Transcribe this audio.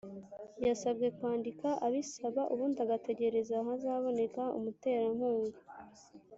Yasabwe kwandika abisaba ubundi agategereza hazaboneka umuterankunga